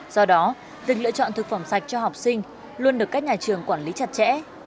do đó việc lựa chọn thực phẩm sạch cho học sinh luôn được các nhà trường quản lý chặt chẽ